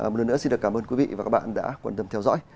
một lần nữa xin được cảm ơn quý vị và các bạn đã quan tâm theo dõi